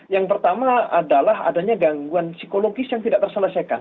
yang pertama adalah adanya gangguan psikologis yang tidak terselesaikan